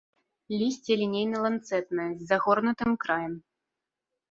Лісце лінейна-ланцэтнае, з загорнутым краем.